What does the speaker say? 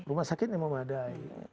rumah sakitnya memadai